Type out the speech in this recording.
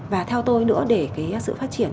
và theo tôi nữa để sự phát triển